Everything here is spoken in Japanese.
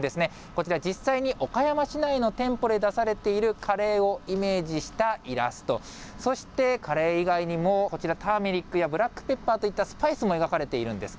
こちら、実際に岡山市内の店舗で出されているカレーをイメージしたイラスト、そしてカレー以外にも、こちら、ターメリックやブラックペッパーといったスパイスも描かれているんです。